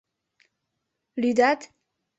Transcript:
Лӱдат?!.